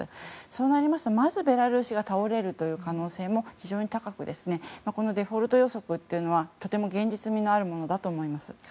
そうなりますとまずベラルーシが倒れるという可能性も非常に高くこのデフォルト予測というのはとても現実味のあるものだと思います。